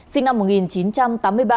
sinh năm một nghìn chín trăm tám mươi ba